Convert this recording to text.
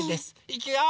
いくよ！